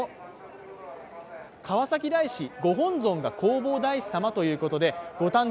川崎大師、ご本尊が弘法大師様ということでご誕生